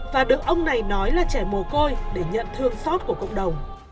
và được ông này nói là trẻ mồ côi để nhận thương xót của cộng đồng